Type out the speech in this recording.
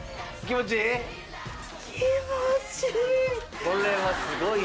気持ちいい。